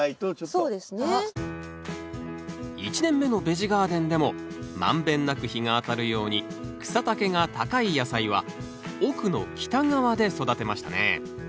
１年目のベジ・ガーデンでも満遍なく日が当たるように草丈が高い野菜は奥の北側で育てましたね